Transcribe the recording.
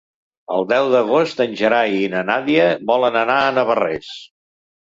El deu d'agost en Gerai i na Nàdia volen anar a Navarrés.